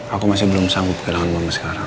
aku masih belum sanggup kehilangan mama sekarang